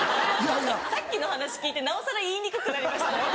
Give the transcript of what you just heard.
さっきの話聞いてなおさら言いにくくなりました。